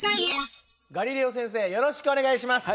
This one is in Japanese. ガリレオ先生よろしくお願いします。